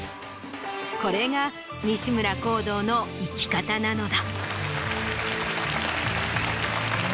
これが西村宏堂の生き方なのだ。